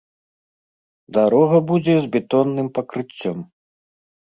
Дарога будзе з бетонным пакрыццём.